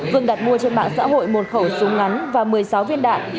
vương đặt mua trên mạng xã hội một khẩu súng ngắn và một mươi sáu viên đạn